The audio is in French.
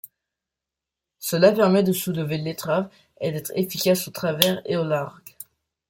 Cela permet de soulever l'étrave et d'être efficace au travers et au largue.